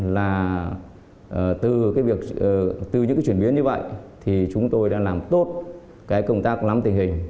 là từ những chuyển biến như vậy thì chúng tôi đã làm tốt công tác lắm tình hình